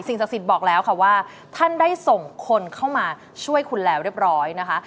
ศักดิ์สิทธิ์บอกแล้วค่ะว่าท่านได้ส่งคนเข้ามาช่วยคุณแล้วเรียบร้อยนะคะ